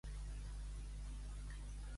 Al primer antuvi.